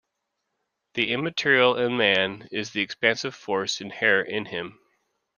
The immaterial in man is the expansive force inherent in him.